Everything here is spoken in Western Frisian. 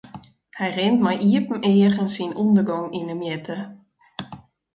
Hy rint mei iepen eagen syn ûndergong yn 'e mjitte.